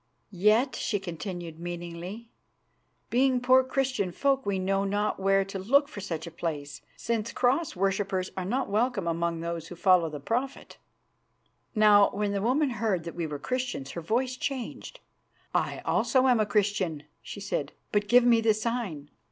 "Yet," she continued meaningly, "being poor Christian folk we know not where to look for such a place, since Cross worshippers are not welcome among those who follow the Prophet." Now, when the woman heard that we were Christians her voice changed. "I also am a Christian," she said; "but give me the sign."